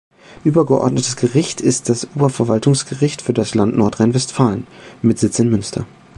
Übergeordnetes Gericht ist das Oberverwaltungsgericht für das Land Nordrhein-Westfalen mit Sitz in Münster.